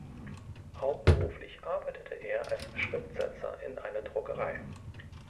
Hauptberuflich arbeitete er als Schriftsetzer in einer Druckerei.